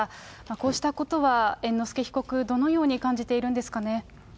こうしたことは猿之助被告、どのように感じているんですかね。